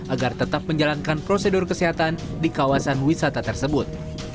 agar tetap menjalankan prosedur kesehatan di kawasan wisata tersebut